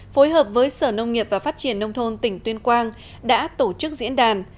phối hợp với sở nông nghiệp và phát triển nông thôn tỉnh tuyên quang đã tổ chức diễn đàn